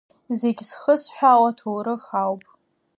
Зегь зхысҳәаауа аҭоурых ауп.